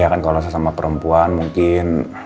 ya kan kalau saya sama perempuan mungkin